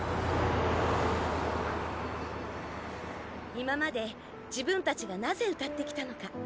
今まで自分たちがなぜ歌ってきたのか。